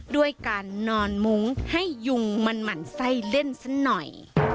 ด้วยการนอนมุ้งให้ยุงมันหมั่นไส้เล่นซะหน่อย